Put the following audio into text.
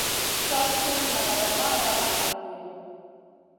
Cad sum nagada maya halgiy.